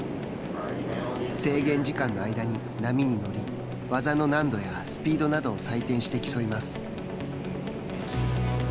制限時間の間に波に乗り技の難度やスピードなどを採点して競います。